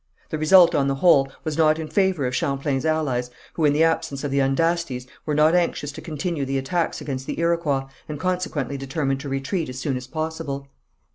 The result, on the whole, was not in favour of Champlain's allies, who in the absence of the Andastes were not anxious to continue the attacks against the Iroquois, and consequently determined to retreat as soon as possible.